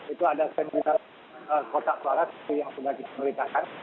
itu ada seminar kotak suara yang sudah disemelitakan